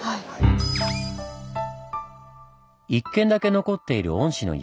１軒だけ残っている御師の家。